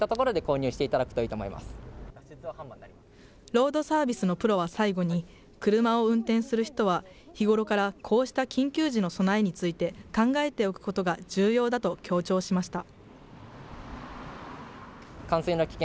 ロードサービスのプロは最後に、車を運転する人は日頃からこうした緊急時の備えについて考えておくことが重要だと強調しました。